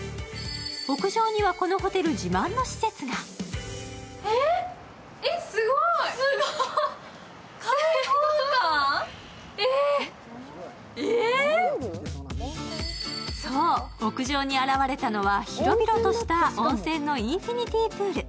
屋上には、このホテル自慢の施設がそう、屋上に現れたのは広々とした屋上のインフィニティプール。